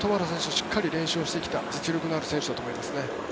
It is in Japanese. しっかり練習をしてきた実力のある選手だと思いますね。